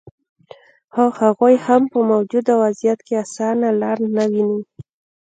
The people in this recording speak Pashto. خو هغوي هم په موجوده وضعیت کې اسانه لار نه ویني